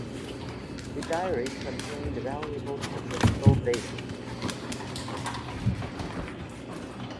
The diary contained valuable statistical data.